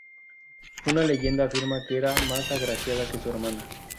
Una leyenda afirma que era más agraciada que su hermana.